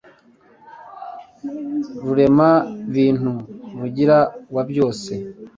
rurema bintu, rugira wa byose